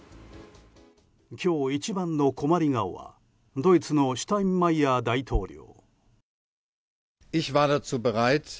今日一番の困り顔はドイツのシュタインマイヤー大統領。